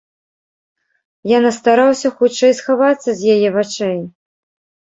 Я настараўся хутчэй схавацца з яе вачэй.